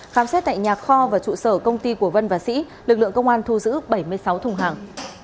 khám xét tại nhà kho và trụ sở công ty của vân và sĩ lực lượng công an thu giữ bảy mươi sáu thùng hàng